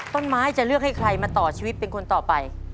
ต้นไม้จะเลือกให้ใครมาต่อชีวิตเป็นคนต่อไป